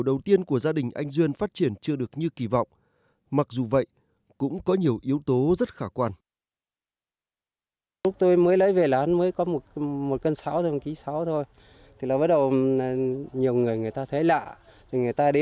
nói chung là gia đình tôi làm ra này năm nay cũng được là năm thứ hai